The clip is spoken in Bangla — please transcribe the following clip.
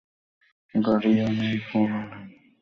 গাড়িও নেই, ফোনও নেই।